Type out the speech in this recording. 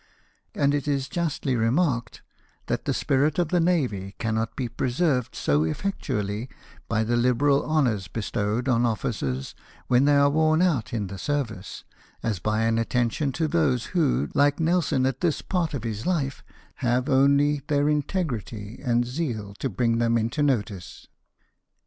And it is justly remarked,"^ that the spirit of the navy cannot be preserved so effectually by the liberal honours bestowed on officers when they are worn out in the service, as by an attention to those who, like Nelson at this part of his life, have only their integrity and zeal to bring them into notice.